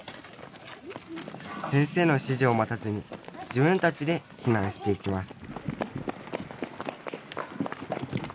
先生の指示を待たずに自分たちで避難していきます